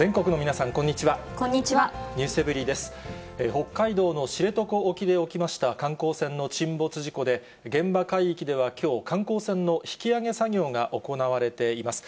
北海道の知床沖で起きました観光船の沈没事故で、現場海域ではきょう、観光船の引き揚げ作業が行われています。